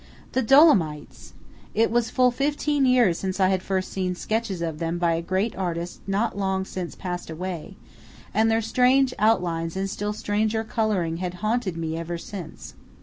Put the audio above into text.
The Dolomites! It was full fifteen years since I had first seen sketches of them by a great artist not long since passed away, and their strange outlines and still stranger colouring had haunted me ever since.